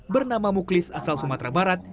bernama muklis asal sumatera barat